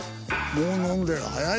もう飲んでる早いよ。